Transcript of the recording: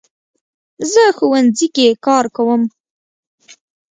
زه ښوونځي کې کار کوم